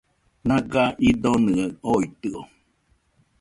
Naga idonɨaɨ oitɨo